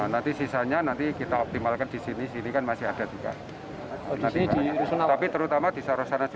nanti sisanya nanti kita optimalkan disitu